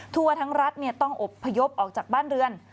ทั่วทั้งรัฐต้องอบพยพออกจากบ้านเรือน